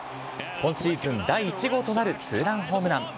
今シーズン第１号となるツーランホームラン。